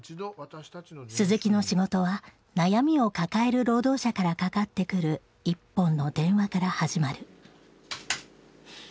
鈴木の仕事は悩みを抱える労働者からかかってくる一本の電話から始まる。